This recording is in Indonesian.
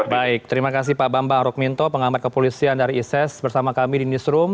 baik terima kasih pak bambang rukminto pengamat kepolisian dari isis bersama kami di newsroom